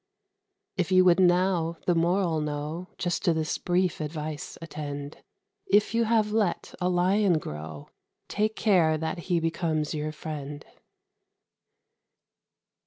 If you would now the moral know, Just to this brief advice attend: If you have let a Lion grow, Take care that he becomes your friend.